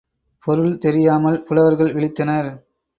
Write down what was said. பொருள் தெரியாமல் புலவர்கள் விழித்தனர்.